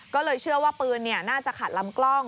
ก็เลยเชื่อว่าปืนน่าจะขัดลำกล้อง